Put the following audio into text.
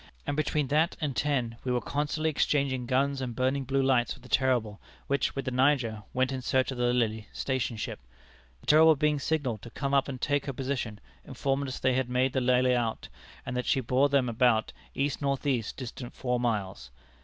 and between that and ten we were constantly exchanging guns and burning blue lights with the Terrible, which, with the Niger, went in search of the Lily, station ship. The Terrible being signalled to come up and take her position, informed us they had made the Lily out, and that she bore then about E.N.E. distant four miles.